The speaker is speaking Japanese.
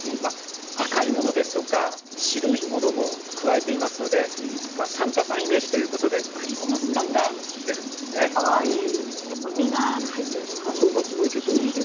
赤いものですとか白いものを加えていますのでサンタさんイメージということでクリスマス感が出るんですね。